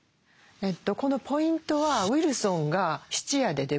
このポイントはウィルソンが質屋で出不精だと。